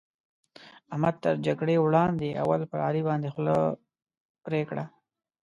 احمد تر جګړې وړاندې؛ اول پر علي باندې خوله پرې کړه.